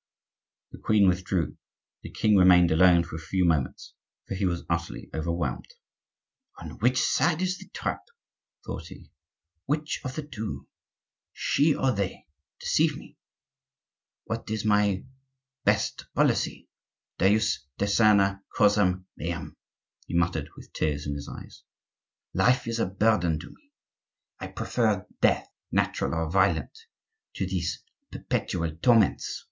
The queen withdrew; the king remained alone for a few moments, for he was utterly overwhelmed. "On which side is the trap?" thought he. "Which of the two—she or they—deceive me? What is my best policy? Deus, discerne causam meam!" he muttered with tears in his eyes. "Life is a burden to me! I prefer death, natural or violent, to these perpetual torments!"